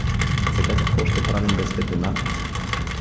— Сега какво ще правим без светлина?